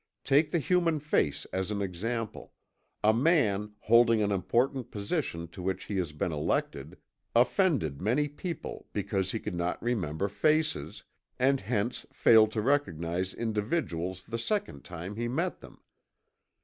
Take the human face as an example. A man, holding an important position to which he had been elected, offended many people because he could not remember faces, and hence failed to recognize individuals the second time he met them.